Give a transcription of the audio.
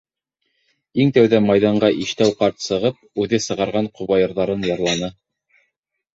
Иң тәүҙә майҙанға Иштәү ҡарт сығып, үҙе сығарған ҡобайырҙарын йырланы.